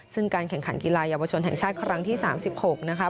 ซึ่งการแข่งขันกีฬาเยาวชนแห่งชาติครั้งที่๓๖นะคะ